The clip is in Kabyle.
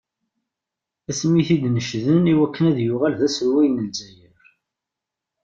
Asmi i t-id-necden i wakken ad yuɣal d aselway n Lezzayer.